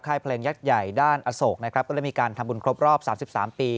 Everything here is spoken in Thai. ค่ายเพลงยักษ์ใหญ่ด้านอโศกนะครับก็เลยมีการทำบุญครบรอบสามสิบสามปี